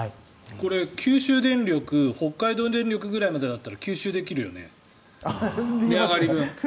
これ、九州電力北海道電力ぐらいまでだったら吸収できるよね、値上がり分。